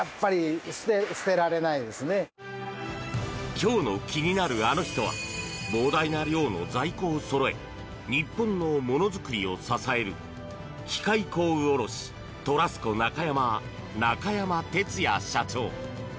今日の気になるアノ人は膨大な量の在庫をそろえ日本のものづくりを支える機械工具卸トラスコ中山中山哲也社長。